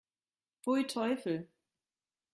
Pfui, Teufel!